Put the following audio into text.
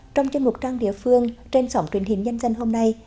trong chương trình trang địa phương trên sổng truyền hình nhân dân hôm nay